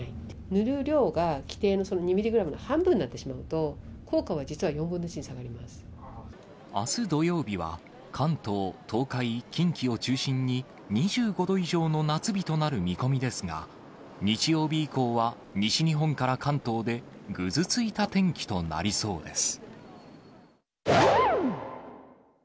塗る量が既定のその２ミリグラムの半分になってしまうと、効果はあす土曜日は、関東、東海、近畿を中心に、２５度以上の夏日となる見込みですが、日曜日以降は、西日本から関東でぐずついた天気となりそうです。